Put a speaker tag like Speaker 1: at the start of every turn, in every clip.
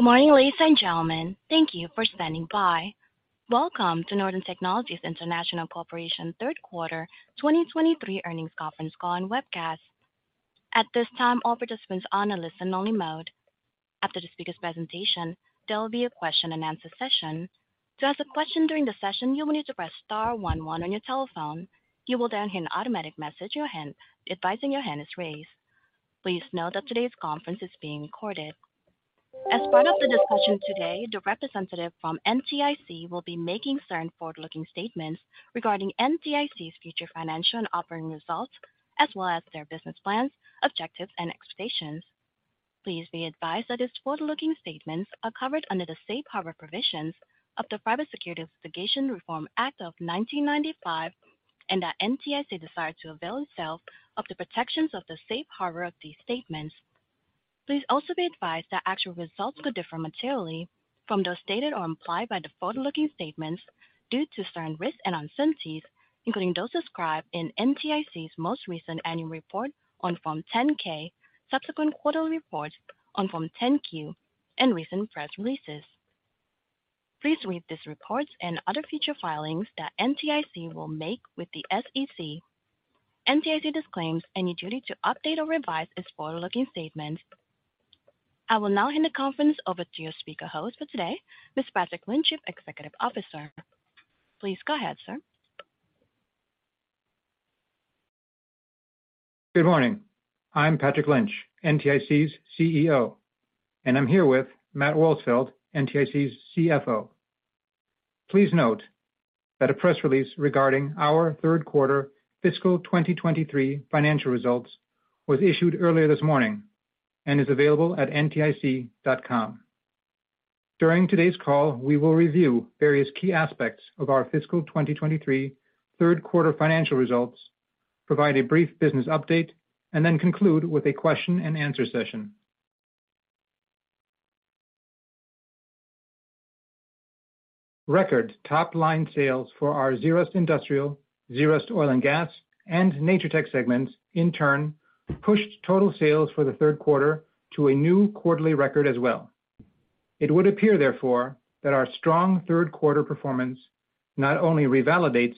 Speaker 1: Good morning, ladies and gentlemen. Thank you for standing by. Welcome to Northern Technologies International Corporation Third Quarter 2023 Earnings Conference Call and Webcast. At this time, all participants are on a listen-only mode. After the speaker's presentation, there will be a question-and-answer session. To ask a question during the session, you will need to press star one one on your telephone. You will then hear an automatic message advising your hand is raised. Please note that today's conference is being recorded. As part of the discussion today, the representative from NTIC will be making certain forward-looking statements regarding NTIC's future financial and operating results, as well as their business plans, objectives, and expectations. Please be advised that these forward-looking statements are covered under the safe harbor provisions of the Private Securities Litigation Reform Act of 1995, that NTIC desires to avail itself of the protections of the safe harbor of these statements. Please also be advised that actual results could differ materially from those stated or implied by the forward-looking statements due to certain risks and uncertainties, including those described in NTIC's most recent annual report on Form 10-K, subsequent quarterly reports on Form 10-Q, and recent press releases. Please read these reports and other future filings that NTIC will make with the SEC. NTIC disclaims any duty to update or revise its forward-looking statement. I will now hand the conference over to your speaker host for today, Mr. Patrick Lynch, Executive Officer. Please go ahead, sir.
Speaker 2: Good morning. I'm Patrick Lynch, NTIC's CEO, and I'm here with Matt Wolsfeld, NTIC's CFO. Please note that a press release regarding our third quarter fiscal 2023 financial results was issued earlier this morning and is available at ntic.com. During today's call, we will review various key aspects of our fiscal 2023 third quarter financial results, provide a brief business update, and then conclude with a question-and-answer session. Record top-line sales for our Zerust Industrial, Zerust Oil & Gas, and Natur-Tec segments in turn, pushed total sales for the third quarter to a new quarterly record as well. It would appear, therefore, that our strong third quarter performance not only revalidates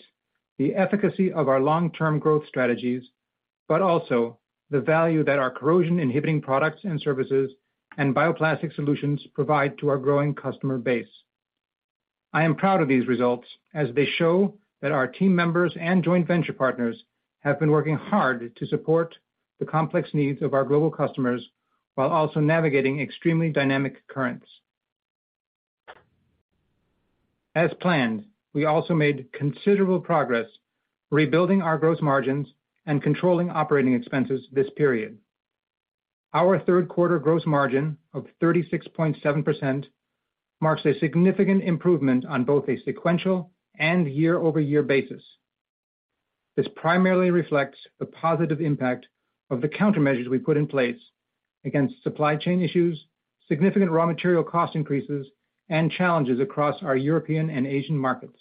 Speaker 2: the efficacy of our long-term growth strategies, but also the value that our corrosion inhibiting products and services and bioplastic solutions provide to our growing customer base. I am proud of these results as they show that our team members and joint venture partners have been working hard to support the complex needs of our global customers while also navigating extremely dynamic currents. As planned, we also made considerable progress rebuilding our gross margins and controlling operating expenses this period. Our third quarter gross margin of 36.7% marks a significant improvement on both a sequential and year-over-year basis. This primarily reflects the positive impact of the countermeasures we put in place against supply chain issues, significant raw material cost increases, and challenges across our European and Asian markets.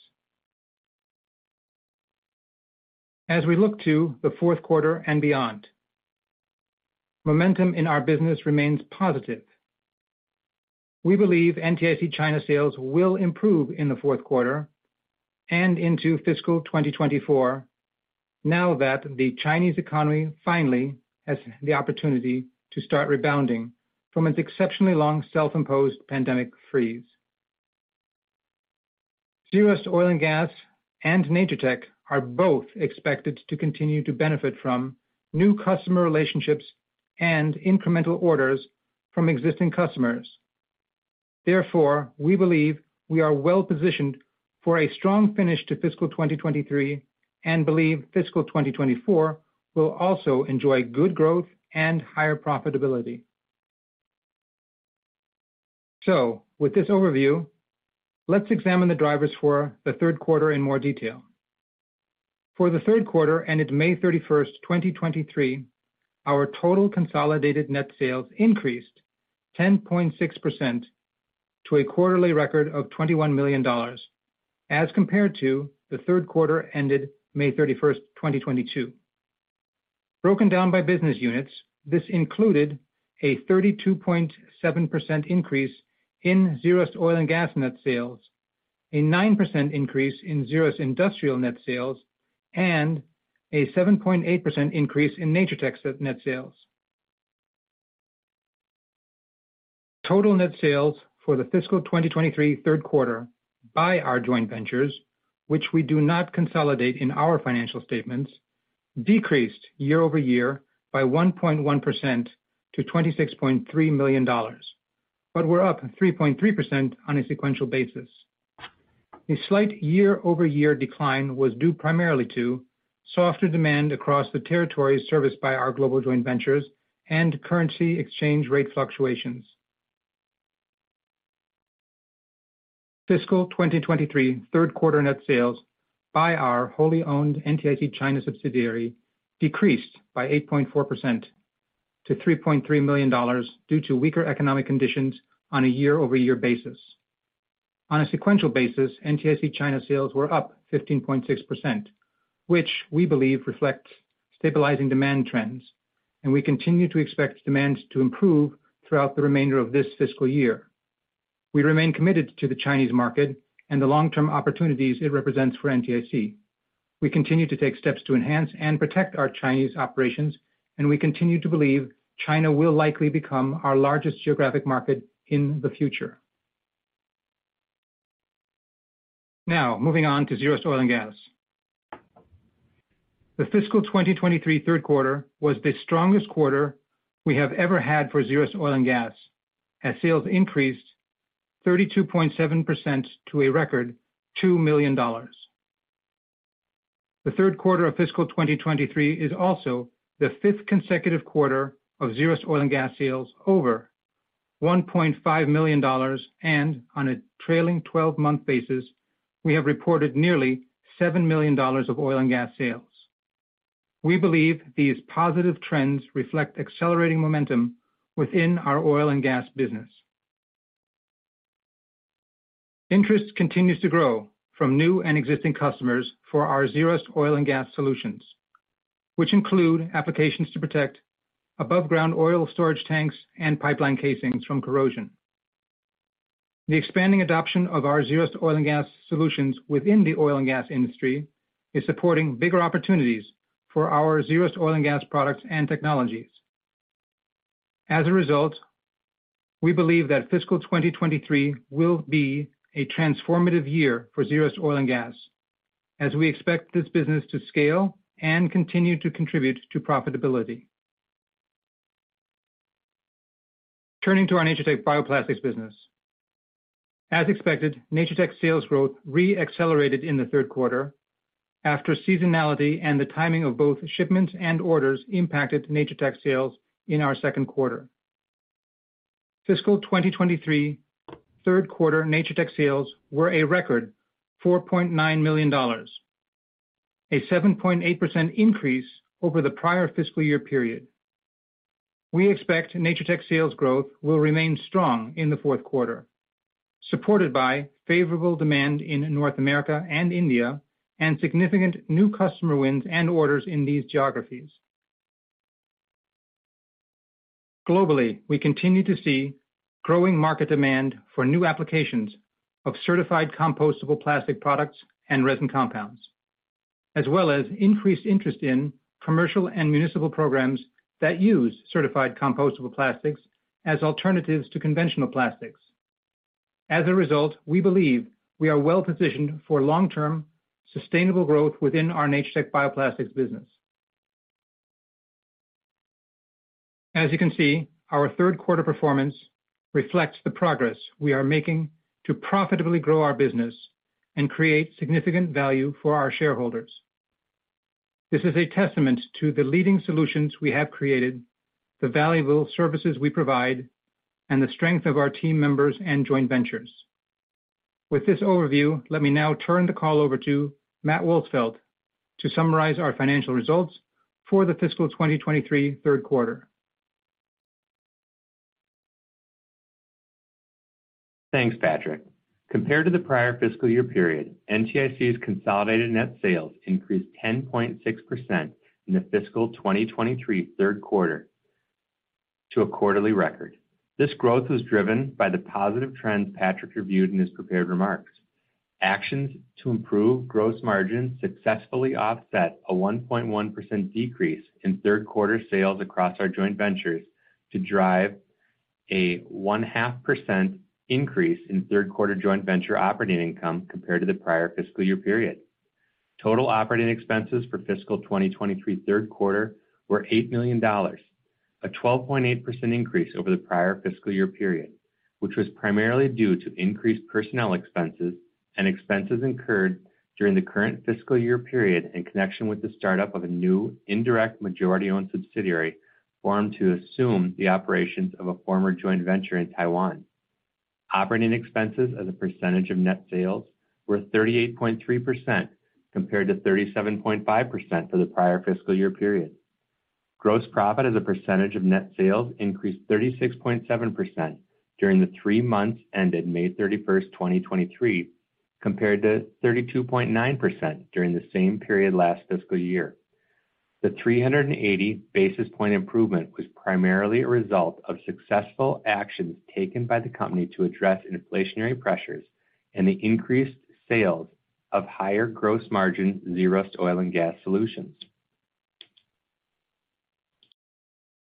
Speaker 2: As we look to the fourth quarter and beyond, momentum in our business remains positive. We believe NTIC China sales will improve in the fourth quarter and into fiscal 2024, now that the Chinese economy finally has the opportunity to start rebounding from its exceptionally long self-imposed pandemic freeze. Zerust Oil & Gas and Natur-Tec are both expected to continue to benefit from new customer relationships and incremental orders from existing customers. Therefore, we believe we are well-positioned for a strong finish to fiscal 2023 and believe fiscal 2024 will also enjoy good growth and higher profitability. With this overview, let's examine the drivers for the third quarter in more detail. For the third quarter, ended 31 May 2023, our total consolidated net sales increased 10.6% to a quarterly record of $21 million as compared to the third quarter, ended 31 May 2022. Broken down by business units, this included a 32.7% increase in Zerust Oil & Gas net sales, a 9% increase in Zerust Industrial net sales, a 7.8% increase in Natur-Tec net sales. Total net sales for the fiscal 2023 third quarter by our joint ventures, which we do not consolidate in our financial statements, decreased year-over-year by 1.1% to $26.3 million, but were up 3.3% on a sequential basis. A slight year-over-year decline was due primarily to softer demand across the territories serviced by our global joint ventures and currency exchange rate fluctuations. Fiscal 2023, third quarter net sales by our wholly-owned NTIC China subsidiary decreased by 8.4% to $3.3 million due to weaker economic conditions on a year-over-year basis. On a sequential basis, NTIC China sales were up 15.6%, which we believe reflects stabilizing demand trends, we continue to expect demand to improve throughout the remainder of this fiscal year. We remain committed to the Chinese market and the long-term opportunities it represents for NTIC. We continue to take steps to enhance and protect our Chinese operations, we continue to believe China will likely become our largest geographic market in the future. Moving on to Zerust Oil & Gas. The fiscal 2023 third quarter was the strongest quarter we have ever had for Zerust Oil & Gas, as sales increased 32.7% to a record $2 million. The third quarter of fiscal 2023 is also the fifth consecutive quarter of Zerust Oil & Gas sales over $1.5 million, and on a trailing twelve-month basis, we have reported nearly $7 million of oil and gas sales. We believe these positive trends reflect accelerating momentum within our oil and gas business. Interest continues to grow from new and existing customers for our Zerust Oil & Gas solutions, which include applications to protect above-ground oil storage tanks and pipeline casings from corrosion. The expanding adoption of our Zerust Oil & Gas solutions within the oil and gas industry is supporting bigger opportunities for our Zerust Oil & Gas products and technologies. We believe that fiscal 2023 will be a transformative year for Zerust Oil & Gas, as we expect this business to scale and continue to contribute to profitability. Turning to our Natur-Tec Bioplastics business. Natur-Tec sales growth re-accelerated in the third quarter after seasonality and the timing of both shipments and orders impacted Natur-Tec sales in our second quarter. Fiscal 2023, third quarter Natur-Tec sales were a record $4.9 million, a 7.8% increase over the prior fiscal year period. We expect Natur-Tec sales growth will remain strong in the fourth quarter, supported by favorable demand in North America and India, and significant new customer wins and orders in these geographies. Globally, we continue to see growing market demand for new applications of certified compostable plastic products and resin compounds, as well as increased interest in commercial and municipal programs that use certified compostable plastics as alternatives to conventional plastics. As a result, we believe we are well positioned for long-term, sustainable growth within our Natur-Tec Bioplastics business. As you can see, our third quarter performance reflects the progress we are making to profitably grow our business and create significant value for our shareholders. This is a testament to the leading solutions we have created, the valuable services we provide, and the strength of our team members and joint ventures. With this overview, let me now turn the call over to Matt Wolsfeld to summarize our financial results for the fiscal 2023 third quarter.
Speaker 3: Thanks, Patrick. Compared to the prior fiscal year period, NTIC's consolidated net sales increased 10.6% in the fiscal 2023 third quarter to a quarterly record. This growth was driven by the positive trends Patrick reviewed in his prepared remarks. Actions to improve gross margins successfully offset a 1.1% decrease in third quarter sales across our joint ventures to drive a one-half percent increase in third quarter joint venture operating income compared to the prior fiscal year period. Total operating expenses for fiscal 2023 third quarter were $8 million, a 12.8% increase over the prior fiscal year period, which was primarily due to increased personnel expenses and expenses incurred during the current fiscal year period in connection with the startup of a new indirect majority-owned subsidiary, formed to assume the operations of a former joint venture in Taiwan. Operating expenses as a percentage of net sales were 38.3%, compared to 37.5% for the prior fiscal year period. Gross profit as a percentage of net sales increased 36.7% during the three months ended 31 May 2023, compared to 32.9% during the same period last fiscal year. The 380 basis point improvement was primarily a result of successful actions taken by the company to address inflationary pressures and the increased sales of higher gross margin Zerust Oil & Gas solutions.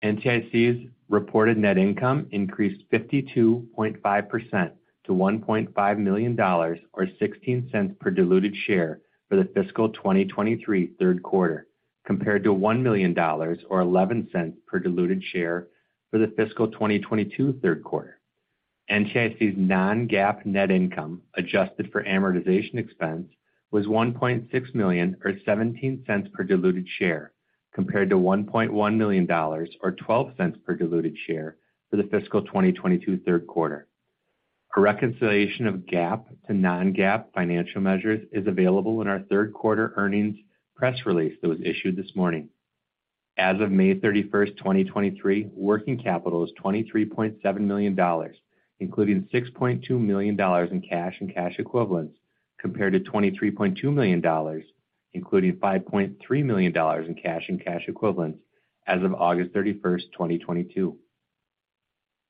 Speaker 3: NTIC's reported net income increased 52.5% to $1.5 million, or $0.16 per diluted share for the fiscal 2023 third quarter, compared to $1 million or $0.11 per diluted share for the fiscal 2022 third quarter. NTIC's non-GAAP net income, adjusted for amortization expense, was $1.6 million or $0.17 per diluted share, compared to $1.1 million or $0.12 per diluted share for the fiscal 2022 third quarter. A reconciliation of GAAP to non-GAAP financial measures is available in our third quarter earnings press release that was issued this morning. As of May 31, 2023, working capital is $23.7 million, including $6.2 million in cash and cash equivalents, compared to $23.2 million, including $5.3 million in cash and cash equivalents as of August 31, 2022.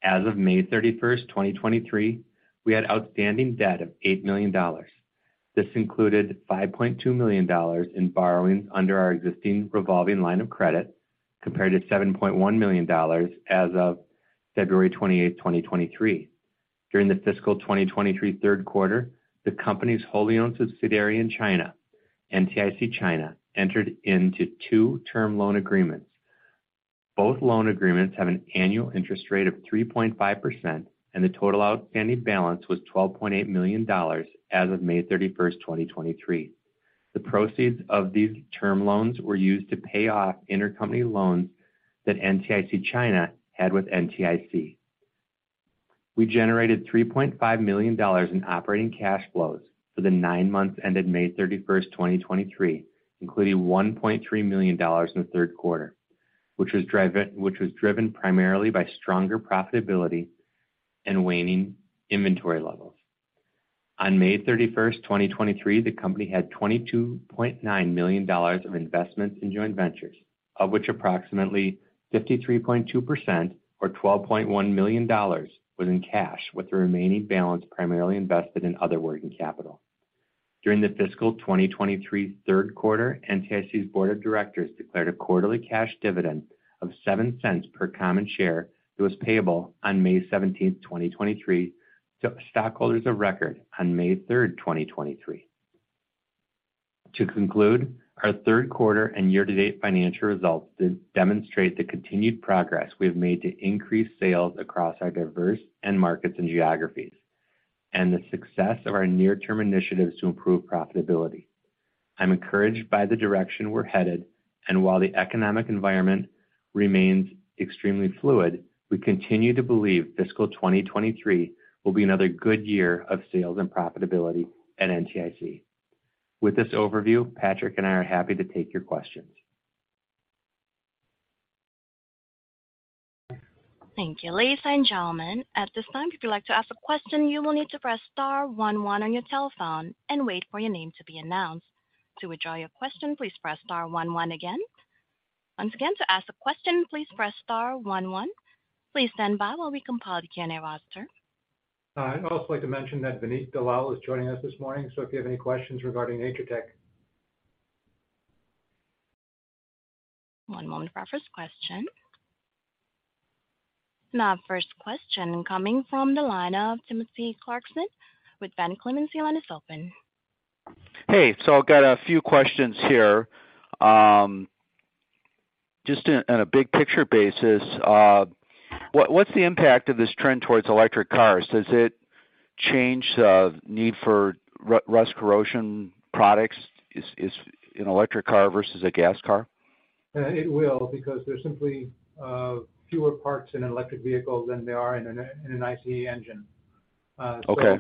Speaker 3: As of May 31, 2023, we had outstanding debt of $8 million. This included $5.2 million in borrowings under our existing revolving line of credit, compared to $7.1 million as of 28 February 2023. During the fiscal 2023 third quarter, the company's wholly-owned subsidiary in China, NTIC China, entered into two term loan agreements. Both loan agreements have an annual interest rate of 3.5%, the total outstanding balance was $12.8 million as of 31 May 2023. The proceeds of these term loans were used to pay off intercompany loans that NTIC China had with NTIC. We generated $3.5 million in operating cash flows for the nine months ended 31 May 2023, including $1.3 million in the third quarter, which was driven primarily by stronger profitability and waning inventory levels. On 31 May 2023, the company had $22.9 million of investments in joint ventures, of which approximately 53.2% or $12.1 million, was in cash, with the remaining balance primarily invested in other working capital. During the fiscal 2023 third quarter, NTIC's board of directors declared a quarterly cash dividend of $0.07 per common share that was payable on 17 May 2023, to stockholders of record on 3 May 2023. To conclude, our third quarter and year-to-date financial results demonstrate the continued progress we have made to increase sales across our diverse end markets and geographies, and the success of our near-term initiatives to improve profitability. I'm encouraged by the direction we're headed. While the economic environment remains extremely fluid, we continue to believe fiscal 2023 will be another good year of sales and profitability at NTIC. With this overview, Patrick and I are happy to take your questions.
Speaker 1: Thank you. Ladies and gentlemen, at this time, if you'd like to ask a question, you will need to press star one one on your telephone and wait for your name to be announced. To withdraw your question, please press star one one again. Once again, to ask a question, please press star one one. Please stand by while we compile the Q&A roster.
Speaker 2: I'd also like to mention that Vineet Dalal is joining us this morning. If you have any questions regarding Natur-Tec.
Speaker 1: One moment for our first question. First question coming from the line of Timothy Clarkson with Van Clemens. Your line is open.
Speaker 4: Hey, I've got a few questions here. On a big picture basis, what's the impact of this trend towards electric cars? Does it change the need for rust corrosion products, is an electric car versus a gas car?
Speaker 2: It will, because there's simply, fewer parts in an electric vehicle than there are in an, in an ICE engine.
Speaker 4: Okay.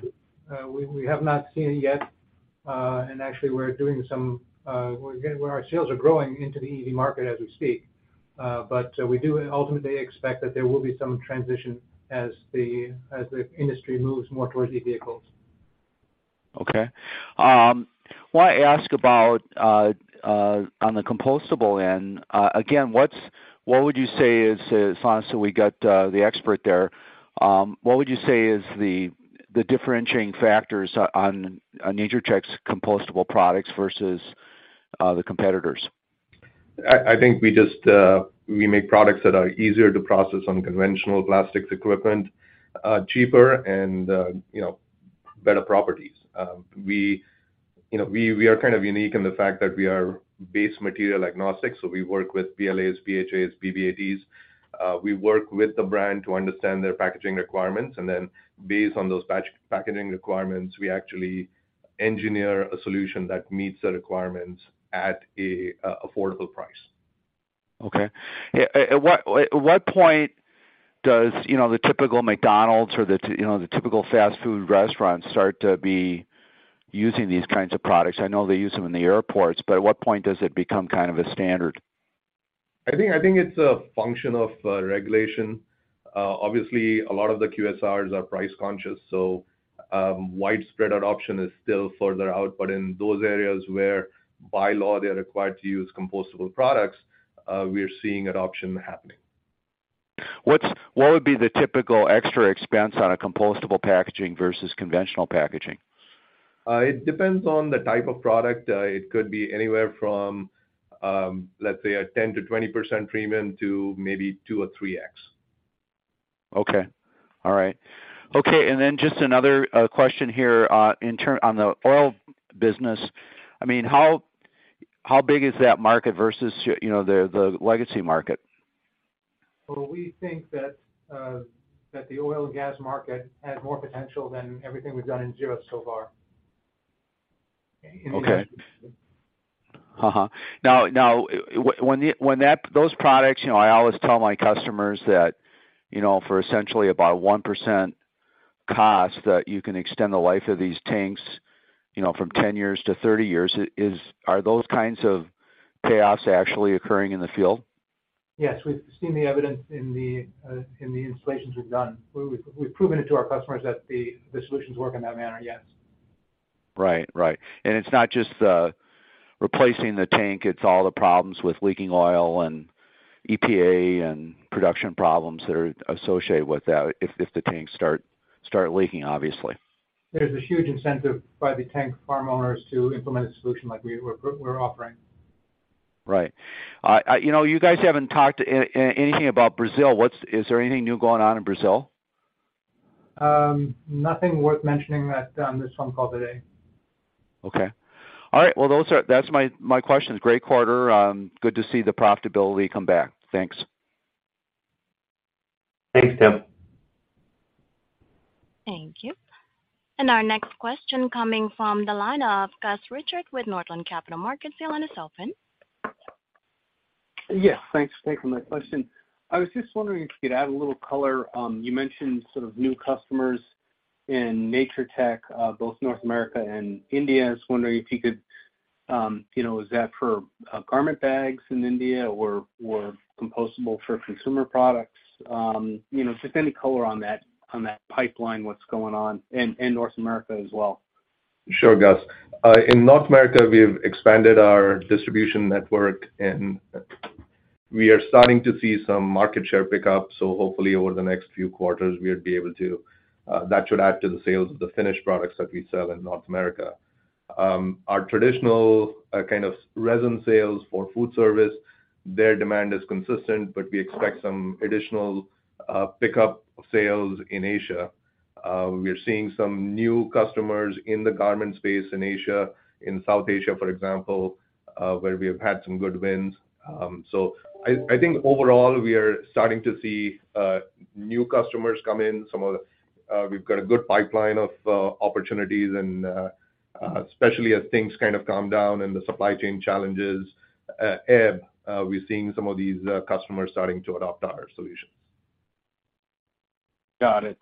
Speaker 2: We have not seen it yet, and actually, our sales are growing into the EV market as we speak. We do ultimately expect that there will be some transition as the industry moves more towards EV vehicles.
Speaker 4: Okay. I want to ask about on the compostable end. Again, what would you say is, as long as we got the expert there, what would you say is the differentiating factors on Natur-Tec's compostable products versus the competitors?
Speaker 5: I think we just make products that are easier to process on conventional plastics equipment, cheaper and, you know, better properties. We, you know, we are kind of unique in the fact that we are base material agnostic, so we work with PLAs, PHAs, PBATs. We work with the brand to understand their packaging requirements, and then based on those packaging requirements, we actually engineer a solution that meets the requirements at a affordable price.
Speaker 4: Okay. At what point does, you know, the typical McDonald's or you know, the typical fast food restaurants start to be using these kinds of products? I know they use them in the airports, but at what point does it become kind of a standard?
Speaker 5: I think it's a function of regulation. Obviously, a lot of the QSRs are price conscious, so widespread adoption is still further out. In those areas where, by law, they're required to use compostable products, we are seeing adoption happening.
Speaker 4: What would be the typical extra expense on a compostable packaging versus conventional packaging?
Speaker 5: It depends on the type of product. It could be anywhere from, let's say, a 10%-20% premium to maybe 2x or 3x.
Speaker 4: Okay. All right. Okay. Then just another question here on the oil business. I mean, how big is that market versus, you know, the legacy market?
Speaker 2: We think that the oil and gas market has more potential than everything we've done in Zerust so far.
Speaker 4: Okay. Uh-huh. Now, those products, you know, I always tell my customers that, you know, for essentially about 1%... cost that you can extend the life of these tanks, you know, from 10 years to 30 years. Are those kinds of payoffs actually occurring in the field?
Speaker 2: Yes, we've seen the evidence in the in the installations we've done, where we've proven it to our customers that the solutions work in that manner, yes.
Speaker 4: Right. Right. It's not just replacing the tank, it's all the problems with leaking oil and EPA and production problems that are associated with that, if the tanks start leaking, obviously.
Speaker 2: There's a huge incentive by the tank farm owners to implement a solution like we're offering.
Speaker 4: Right. I, you know, you guys haven't talked anything about Brazil. Is there anything new going on in Brazil?
Speaker 2: Nothing worth mentioning that, on this phone call today.
Speaker 4: Okay. All right, well, that's my questions. Great quarter. Good to see the profitability come back. Thanks.
Speaker 3: Thanks, Tim.
Speaker 1: Thank you. Our next question coming from the line of Gus Richard with Northland Capital Markets. The line is open.
Speaker 6: Yes, thanks for taking my question. I was just wondering if you could add a little color. You mentioned sort of new customers in Natur-Tec, both North America and India. I was wondering if you could, you know, is that for garment bags in India or compostable for consumer products? You know, just any color on that, on that pipeline, what's going on in North America as well?
Speaker 5: Sure, Gus. In North America, we've expanded our distribution network, and we are starting to see some market share pickup. Hopefully, over the next few quarters, we'll be able to, that should add to the sales of the finished products that we sell in North America. Our traditional, kind of resin sales for food service, their demand is consistent, we expect some additional, pickup sales in Asia. We are seeing some new customers in the garment space in Asia, in South Asia, for example, where we have had some good wins. I think overall, we are starting to see, new customers come in. Some of the, we've got a good pipeline of opportunities and, especially as things kind of calm down and the supply chain challenges, ebb, we're seeing some of these, customers starting to adopt our solutions.
Speaker 6: Got it.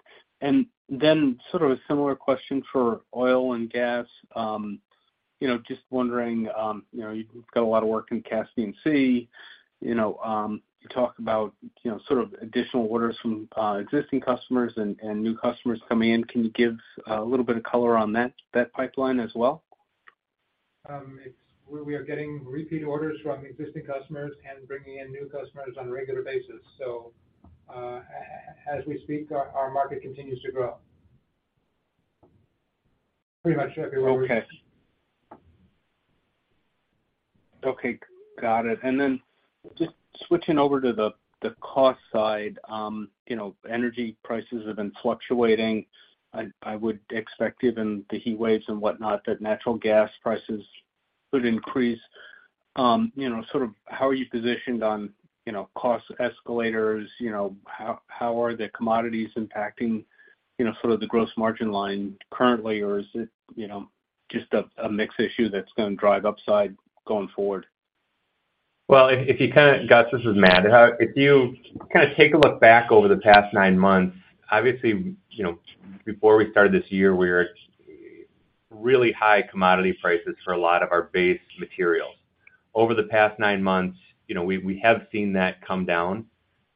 Speaker 6: Then sort of a similar question for oil and gas. you know, just wondering, you know, you've got a lot of work in Caspian Sea. You know, you talk about, you know, sort of additional orders from existing customers and new customers coming in. Can you give a little bit of color on that pipeline as well?
Speaker 2: We are getting repeat orders from existing customers and bringing in new customers on a regular basis. As we speak, our market continues to grow. Pretty much everywhere we.
Speaker 6: Okay. Okay, got it. Just switching over to the cost side. You know, energy prices have been fluctuating. I would expect, given the heat waves and whatnot, that natural gas prices could increase. You know, sort of how are you positioned on, you know, cost escalators? You know, how are the commodities impacting, you know, sort of the gross margin line currently? Or is it, you know, just a mix issue that's going to drive upside going forward?
Speaker 3: If you kind of, Gus, this is Matt. If you kind of take a look back over the past nine months, obviously, you know, before we started this year, we were at really high commodity prices for a lot of our base materials. Over the past nine months, you know, we have seen that come down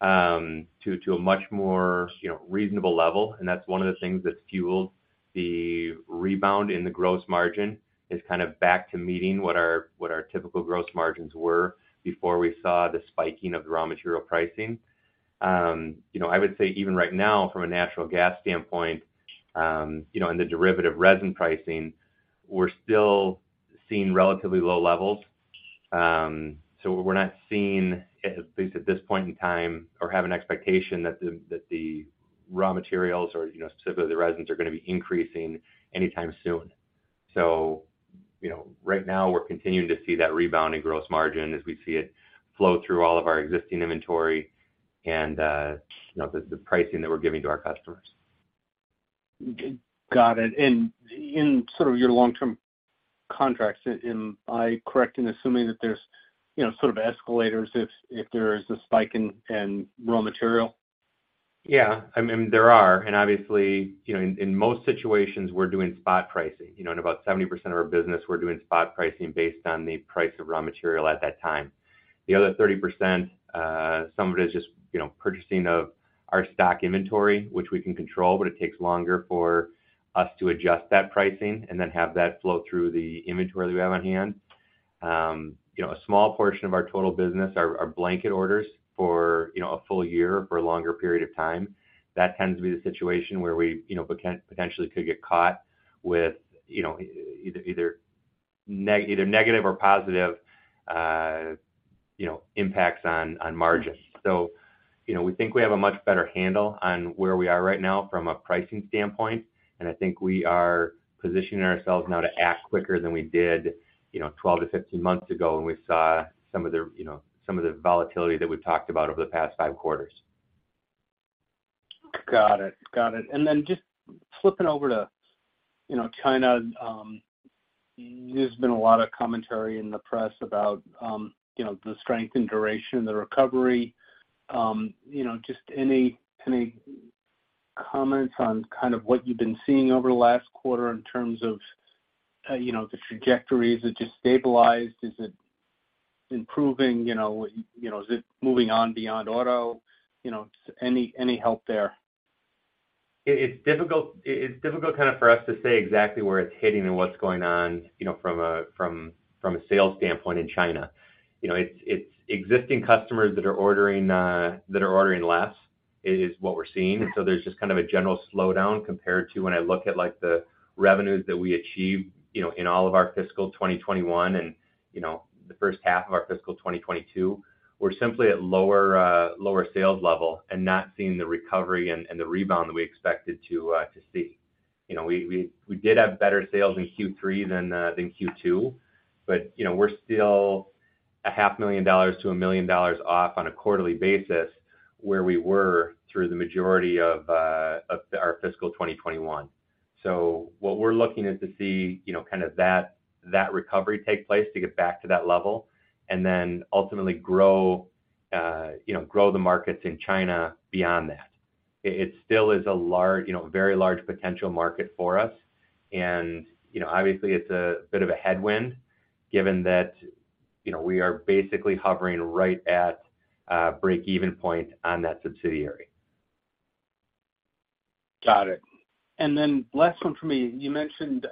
Speaker 3: to a much more, you know, reasonable level, and that's one of the things that's fueled the rebound in the gross margin, is kind of back to meeting what our typical gross margins were before we saw the spiking of the raw material pricing. You know, I would say even right now, from a natural gas standpoint, you know, in the derivative resin pricing, we're still seeing relatively low levels. We're not seeing, at least at this point in time, or have an expectation that the raw materials or, you know, specifically the resins, are going to be increasing anytime soon. You know, right now, we're continuing to see that rebound in gross margin as we see it flow through all of our existing inventory and, you know, the pricing that we're giving to our customers.
Speaker 6: Got it. In sort of your long-term contracts, am I correct in assuming that there's, you know, sort of escalators if there is a spike in raw material?
Speaker 3: I mean, there are, obviously, you know, in most situations, we're doing spot pricing. You know, in about 70% of our business, we're doing spot pricing based on the price of raw material at that time. The other 30%, some of it is just, you know, purchasing of our stock inventory, which we can control, but it takes longer for us to adjust that pricing and then have that flow through the inventory we have on hand. You know, a small portion of our total business are blanket orders for, you know, a full year or for a longer period of time. That tends to be the situation where we, you know, potentially could get caught with, you know, either negative or positive, you know, impacts on margins. You know, we think we have a much better handle on where we are right now from a pricing standpoint, and I think we are positioning ourselves now to act quicker than we did, you know, 12 to 15 months ago when we saw some of the, you know, some of the volatility that we've talked about over the past five quarters.
Speaker 6: Got it. Got it. Then just flipping over. You know, China, there's been a lot of commentary in the press about, you know, the strength and duration of the recovery. You know, just any comments on kind of what you've been seeing over the last quarter in terms of, you know, the trajectory? Is it just stabilized? Is it improving, you know, is it moving on beyond auto? You know, any help there?
Speaker 3: It's difficult, it's difficult kind of for us to say exactly where it's hitting and what's going on, you know, from a sales standpoint in China. You know, it's existing customers that are ordering that are ordering less, is what we're seeing. There's just kind of a general slowdown compared to when I look at, like, the revenues that we achieved, you know, in all of our fiscal 2021 and, you know, the first half of our fiscal 2022. We're simply at lower lower sales level and not seeing the recovery and the rebound that we expected to see. You know, we did have better sales in Q3 than Q2, but, you know, we're still a half million dollars to $1 million off on a quarterly basis where we were through the majority of our fiscal 2021. What we're looking is to see, you know, kind of that recovery take place, to get back to that level, and then ultimately grow, you know, grow the markets in China beyond that. It still is a large, you know, a very large potential market for us. You know, obviously, it's a bit of a headwind given that, you know, we are basically hovering right at a break-even point on that subsidiary.
Speaker 6: Got it. Last one for me. You mentioned,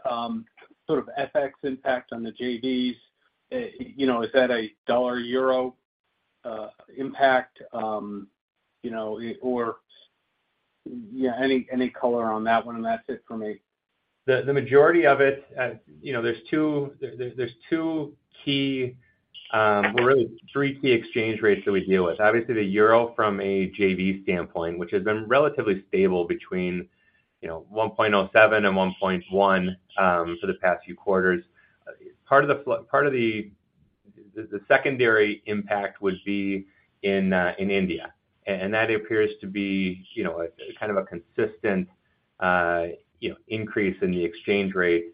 Speaker 6: sort of FX impact on the JVs. You know, is that a dollar-euro impact, you know, or any color on that one? That's it for me.
Speaker 3: The majority of it, you know, there's two key, well, really, three key exchange rates that we deal with. Obviously, the EUR from a JV standpoint, which has been relatively stable between, you know, 1.07 and 1.1, for the past few quarters. Part of the secondary impact would be in India, and that appears to be, you know, a kind of a consistent, you know, increase in the exchange rate,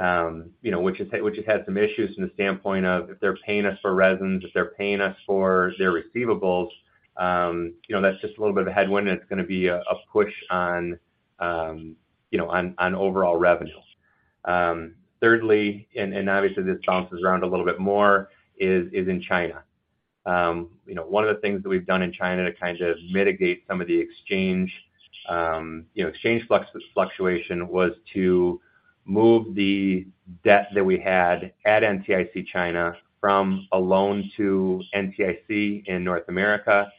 Speaker 3: you know, which has had some issues from the standpoint of if they're paying us for resins, if they're paying us for their receivables, you know, that's just a little bit of a headwind, and it's gonna be a push on, you know, on overall revenue. Thirdly, and obviously, this bounces around a little bit more, is in China. You know, one of the things that we've done in China to kind of mitigate some of the exchange fluctuation was to move the debt that we had at NTIC China from a loan to NTIC in North America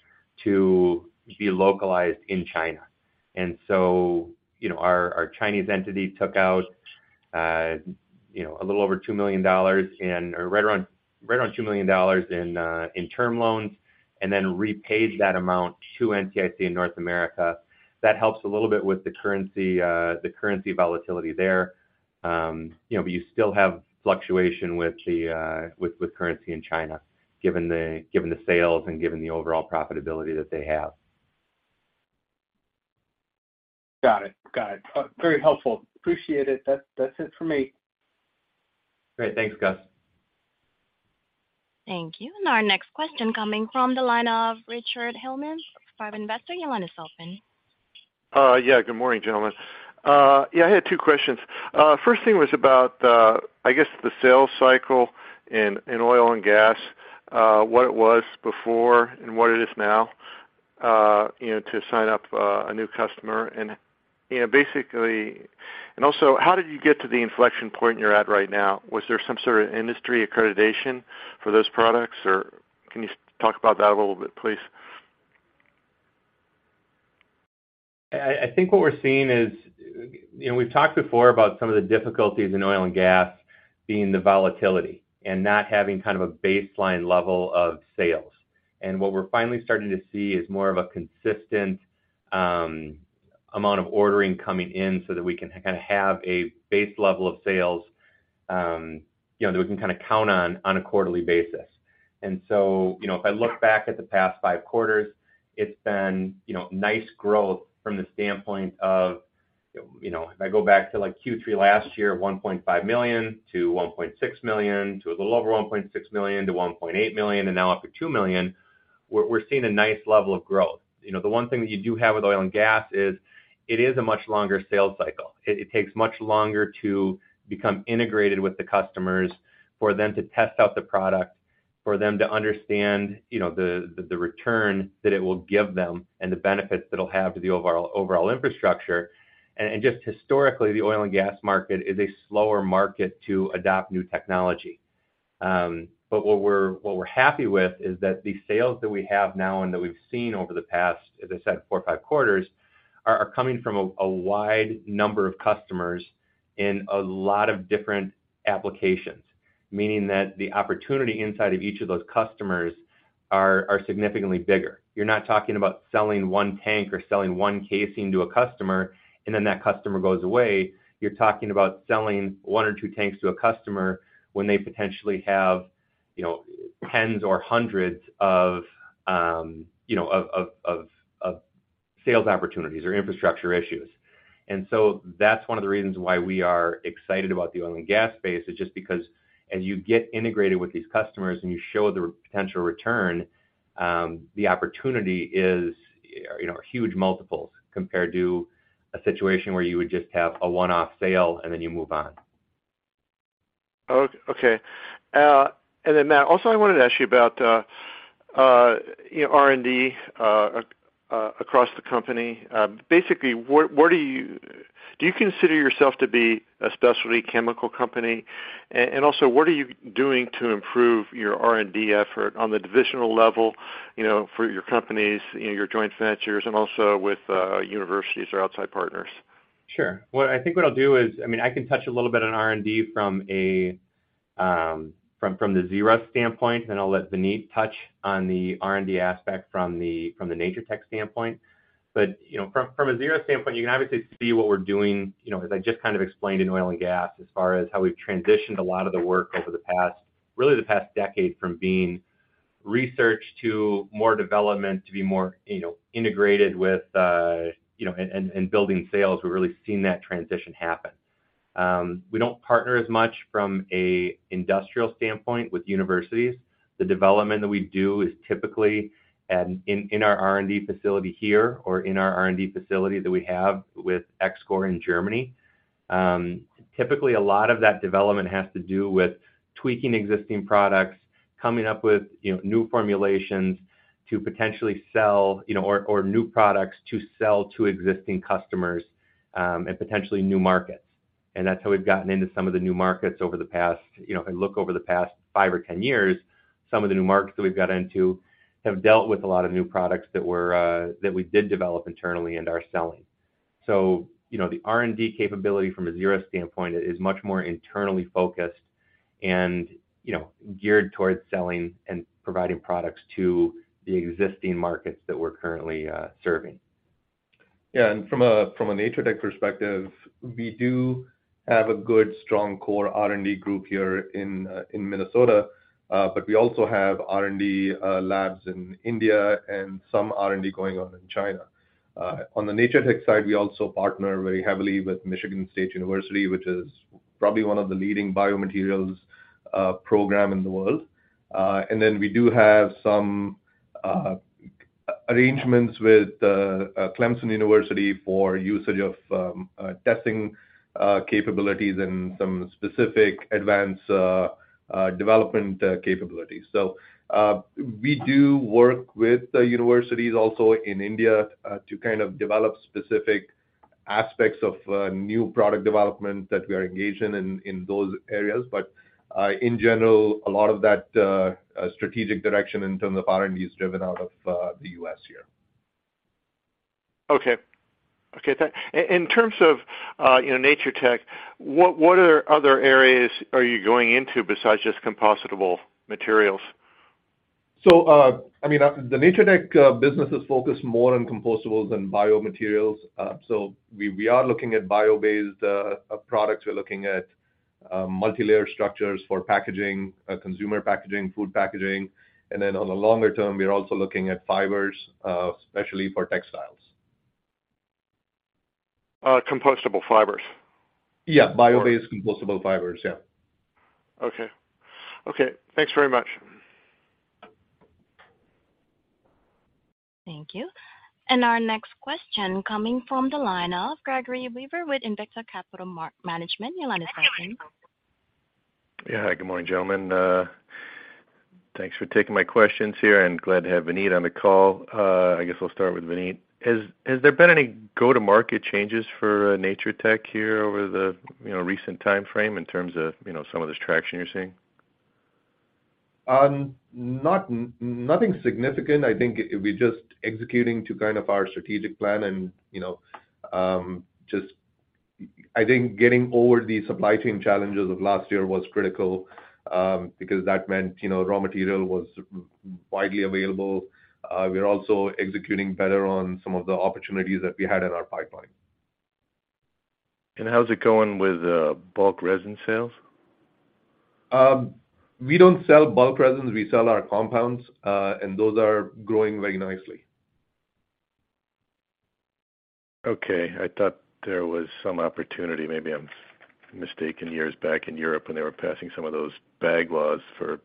Speaker 3: to be localized in China. You know, our Chinese entity took out a little over $2 million or right around $2 million in term loans, and then repaid that amount to NTIC in North America. That helps a little bit with the currency, the currency volatility there. You know, you still have fluctuation with the currency in China, given the sales and given the overall profitability that they have.
Speaker 6: Got it. Got it. very helpful. Appreciate it. That's it for me.
Speaker 3: Great. Thanks, Gus.
Speaker 1: Thank you. Our next question coming from the line of Richard Hillman, Private Investor. Your line is open.
Speaker 7: Yeah, good morning, gentlemen. Yeah, I had two questions. First thing was about, I guess the sales cycle in oil and gas, what it was before and what it is now, you know, to sign up a new customer. You know, and also, how did you get to the inflection point you're at right now? Was there some sort of industry accreditation for those products, or can you talk about that a little bit, please?
Speaker 3: I think what we're seeing is. You know, we've talked before about some of the difficulties in oil and gas being the volatility and not having kind of a baseline level of sales. What we're finally starting to see is more of a consistent amount of ordering coming in so that we can kind of have a base level of sales, you know, that we can kind of count on a quarterly basis. You know, if I look back at the past five quarters, it's been, you know, nice growth from the standpoint of, you know, if I go back to, like, Q3 last year, $1.5 million to $1.6 million, to a little over $1.6 million, to $1.8 million, and now up to $2 million, we're seeing a nice level of growth. You know, the one thing that you do have with oil and gas is, it is a much longer sales cycle. It takes much longer to become integrated with the customers, for them to test out the product, for them to understand, you know, the return that it will give them and the benefits it'll have to the overall infrastructure. Just historically, the oil and gas market is a slower market to adopt new technology. What we're happy with is that the sales that we have now and that we've seen over the past, as I said, 4 or 5 quarters, are coming from a wide number of customers in a lot of different applications, meaning that the opportunity inside of each of those customers are significantly bigger. You're not talking about selling one tank or selling one casing to a customer, and then that customer goes away. You're talking about selling one or two tanks to a customer when they potentially have, you know, tens or hundreds of, you know, of sales opportunities or infrastructure issues. That's one of the reasons why we are excited about the oil and gas space, is just because as you get integrated with these customers and you show the potential return, the opportunity is, you know, huge multiples compared to a situation where you would just have a one-off sale, and then you move on.
Speaker 7: Okay. Matt, also, I wanted to ask you about, you know, R&D across the company. Basically, where do you consider yourself to be a specialty chemical company? Also, what are you doing to improve your R&D effort on the divisional level, you know, for your companies, you know, your joint ventures, and also with universities or outside partners?
Speaker 3: Sure. What I think what I'll do is, I mean, I can touch a little bit on R&D from a, from the Zerust standpoint, then I'll let Vineet touch on the R&D aspect from the Natur-Tec standpoint. you know, from a Zerust standpoint, you can obviously see what we're doing, you know, as I just kind of explained in oil and gas, as far as how we've transitioned a lot of the work over the past, really, the past decade, from being research to more development, to be more, you know, integrated with, you know, and building sales, we've really seen that transition happen. We don't partner as much from a industrial standpoint with universities. The development that we do is typically in our R&D facility here or in our R&D facility that we have with EXCOR in Germany. Typically, a lot of that development has to do with tweaking existing products, coming up with, you know, new formulations to potentially sell, you know, or new products to sell to existing customers, and potentially new markets. That's how we've gotten into some of the new markets over the past. You know, if I look over the past five or 10 years, some of the new markets that we've got into have dealt with a lot of new products that were, that we did develop internally and are selling. You know, the R&D capability from a Zerust standpoint is much more internally focused and, you know, geared towards selling and providing products to the existing markets that we're currently serving.
Speaker 5: Yeah, from a Natur-Tec perspective, we do have a good, strong core R&D group here in Minnesota. We also have R&D labs in India and some R&D going on in China. On the Natur-Tec side, we also partner very heavily with Michigan State University, which is probably one of the leading biomaterials program in the world. We do have some arrangements with Clemson University for usage of testing capabilities and some specific advanced development capabilities. We do work with the universities also in India to kind of develop specific aspects of new product development that we are engaged in those areas. In general, a lot of that strategic direction in terms of R&D is driven out of, the U.S. here.
Speaker 7: Okay. Okay. In terms of, you know, Natur-Tec, what other areas are you going into besides just compostable materials?
Speaker 5: I mean, the Natur-Tec business is focused more on compostables than biomaterials. We are looking at bio-based products. We're looking at multilayer structures for packaging, consumer packaging, food packaging, on the longer term, we are also looking at fibers, especially for textiles.
Speaker 7: Compostable fibers?
Speaker 5: Yeah, bio-based compostable fibers. Yeah.
Speaker 7: Okay. Okay, thanks very much.
Speaker 1: Thank you. Our next question coming from the line of Gregory Weaver with Invicta Capital Management. Your line is open.
Speaker 8: Yeah. Hi, good morning, gentlemen. Thanks for taking my questions here, and glad to have Vineet on the call. I guess I'll start with Vineet. Has there been any go-to-market changes for Natur-Tec here over the, you know, recent timeframe in terms of, you know, some of this traction you're seeing?
Speaker 5: Nothing significant. I think we're just executing to kind of our strategic plan and, you know, just, I think getting over the supply chain challenges of last year was critical because that meant, you know, raw material was widely available. We are also executing better on some of the opportunities that we had in our pipeline.
Speaker 8: How's it going with bulk resin sales?
Speaker 5: We don't sell bulk resins. We sell our compounds, and those are growing very nicely.
Speaker 8: Okay. I thought there was some opportunity. Maybe I'm mistaken. Years back in Europe when they were passing some of those bag laws for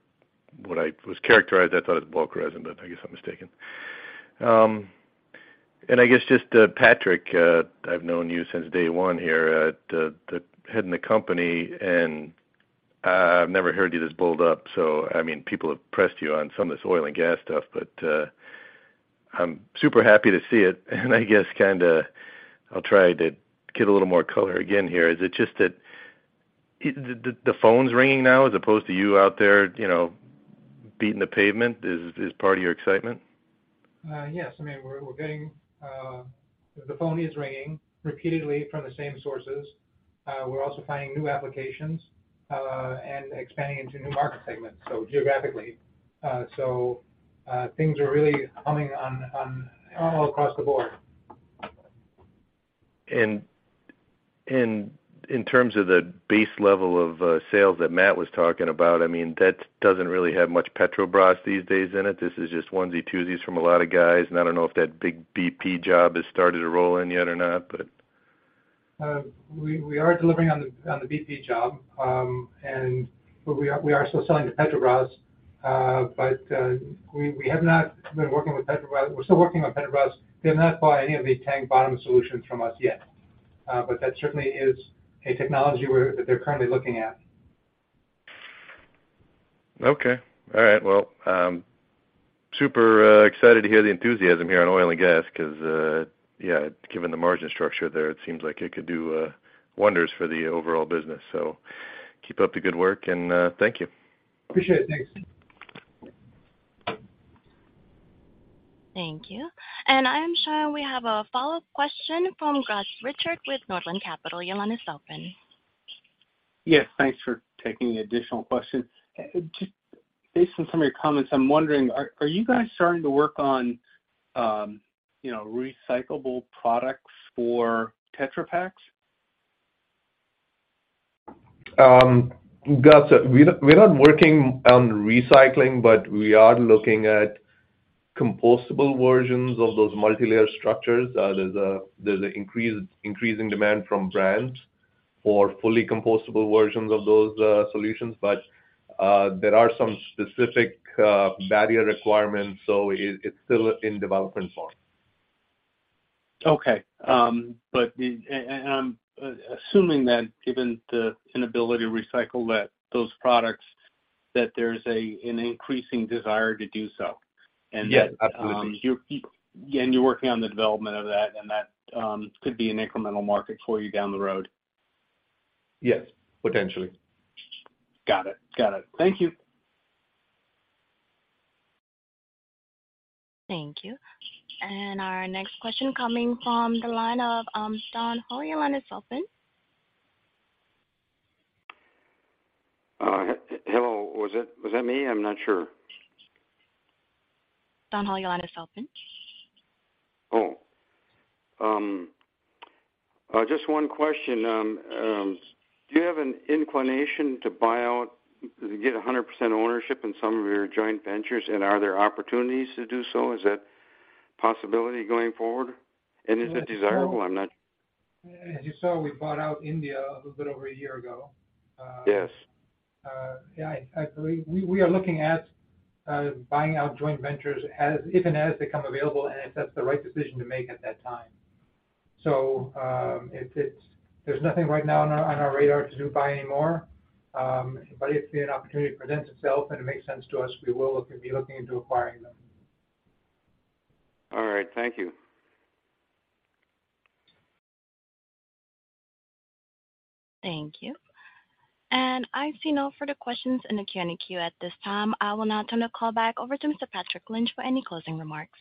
Speaker 8: what I was characterized, I thought it was bulk resin, but I guess I'm mistaken. I guess just Patrick, I've known you since day one here at the head in the company, and I've never heard you this bulled up, so, I mean, people have pressed you on some of this oil and gas stuff, but I'm super happy to see it, and I guess kinda I'll try to get a little more color again here. Is it just that the phone's ringing now, as opposed to you out there, you know, beating the pavement? Is part of your excitement?
Speaker 2: Yes. I mean, we're getting. The phone is ringing repeatedly from the same sources. We're also finding new applications and expanding into new market segments, so geographically. Things are really humming on all across the board.
Speaker 8: In terms of the base level of sales that Matt was talking about, I mean, that doesn't really have much Petrobras these days in it? This is just onesie, twosies from a lot of guys, and I don't know if that big BP job has started to roll in yet or not, but.
Speaker 2: We are delivering on the BP job. We are still selling to Petrobras, we have not been working with Petrobras. We're still working with Petrobras. They have not bought any of the tank bottom solutions from us yet. That certainly is a technology that they're currently looking at.
Speaker 8: Okay. All right. Well, super, excited to hear the enthusiasm here on oil and gas, 'cause, yeah, given the margin structure there, it seems like it could do, wonders for the overall business. Keep up the good work, and, thank you.
Speaker 2: Appreciate it. Thanks.
Speaker 1: Thank you. I am showing we have a follow-up question from Gus Richard with Northland Capital. Your line is open.
Speaker 6: Yes, thanks for taking the additional question. Just based on some of your comments, I'm wondering, are you guys starting to work on, you know, recyclable products for Tetra Pak?
Speaker 5: Gus, we're not, we're not working on recycling, but we are looking at compostable versions of those multilayer structures. There's an increasing demand from brands for fully compostable versions of those solutions, but there are some specific barrier requirements, so it's still in development form.
Speaker 6: Okay. I'm assuming that given the inability to recycle that, those products, that there's an increasing desire to do so...
Speaker 5: Yes, absolutely.
Speaker 6: You, and you're working on the development of that, and that, could be an incremental market for you down the road.
Speaker 5: Yes, potentially.
Speaker 6: Got it. Got it. Thank you.
Speaker 1: Thank you. Our next question coming from the line of Don Holly. Your line is open.
Speaker 9: hello. Was that me? I'm not sure.
Speaker 1: Don Holly, your line is open.
Speaker 9: Just one question: do you have an inclination to buy out, to get 100% ownership in some of your joint ventures? Are there opportunities to do so? Is that possibility going forward, and is it desirable? I'm not.
Speaker 2: As you saw, we bought out India a little bit over a year ago.
Speaker 9: Yes.
Speaker 2: We are looking at buying out joint ventures as, if and as they become available, and if that's the right decision to make at that time. It's nothing right now on our radar to buy any more. If an opportunity presents itself and it makes sense to us, we will look and be looking into acquiring them.
Speaker 9: All right. Thank you.
Speaker 1: Thank you. I see no further questions in the Q&A queue at this time. I will now turn the call back over to Mr. Patrick Lynch for any closing remarks.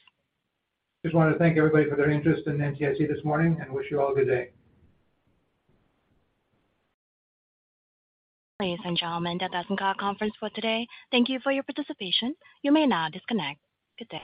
Speaker 2: Just wanted to thank everybody for their interest in NTIC this morning, and wish you all a good day.
Speaker 1: Ladies and gentlemen, that does end our conference for today. Thank you for your participation. You may now disconnect. Good day.